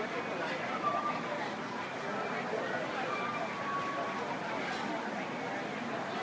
เจมีของเค้า